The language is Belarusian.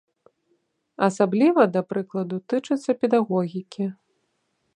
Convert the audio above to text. Асабліва, да прыкладу, тычыцца педагогікі.